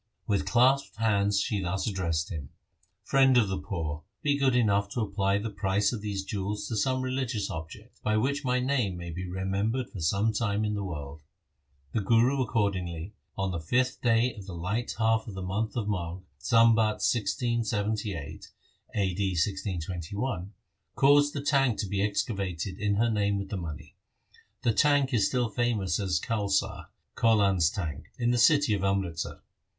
With clasped hands she thus addressed him, ' Friend of the poor, be good enough to apply the price of these jewels to some religious object, by which my name may be remembered for some time in the world.' The Guru accordingly, on the fifth day of the light half of the month of Magh, Sambat 1678 (a.d. 1621), caused a tank to be excavated in her name with the money. The tank is still famous as Kaulsar 1 (Kaulan's tank) in the city of Amritsar.